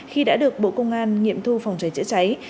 khi đã được bộ công an nghiệm thu phòng cháy chữa cháy